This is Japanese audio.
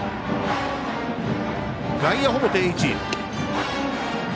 外野ほぼ定位置。